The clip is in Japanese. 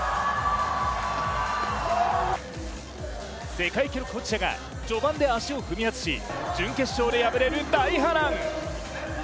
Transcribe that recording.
世界記録保持者が序盤で足を踏み外し準決勝で敗れる大波乱。